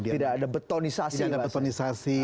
tidak ada betonisasi